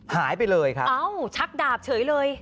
หายไปเลยครับฉักดาบเฉยเลย